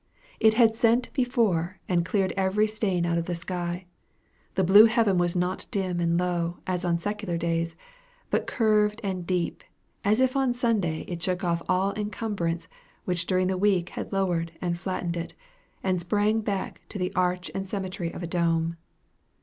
It had sent before and cleared every stain out of the sky. The blue heaven was not dim and low, as on secular days, but curved and deep, as if on Sunday it shook off all incumbrance which during the week had lowered and flattened it, and sprang back to the arch and symmetry of a dome.